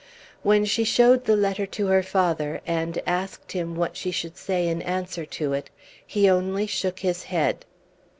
When she showed the letter to her father, and asked him what she should say in answer to it, he only shook his head.